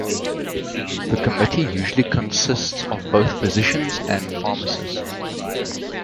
The committee usually consists of both physicians and pharmacists.